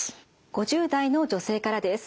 ５０代の女性からです。